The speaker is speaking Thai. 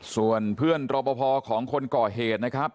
ส่วนเพื่อนรอปภของคนก่อเหตุนะครับ